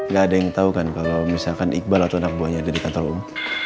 gak ada yang tau kan kalau misalkan iqbal atau anak buahnya ada di kantor om